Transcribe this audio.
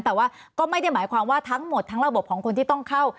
แต่ว่าก็ไม่ได้หมายความว่าทั้งหมดทั้งระบบของคนที่ต้องเข้า